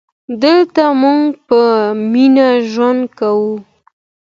دلته مونږ په مینه ژوند کوو